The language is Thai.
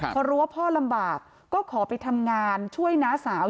พอรู้ว่าพ่อลำบากก็ขอไปทำงานช่วยน้าสาว